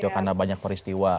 karena banyak peristiwa